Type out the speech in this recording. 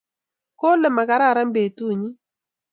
kole makararan betunyin